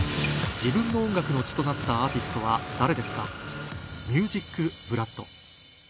自分の音楽の血となったアーティストは誰ですか？